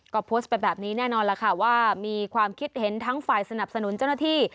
ก็โพสต์ไปแบบนี้แน่นอนล่ะค่ะว่ามีความคิดเห็นทั้งฝ่ายสนับสนุนเจ้าหน้าที่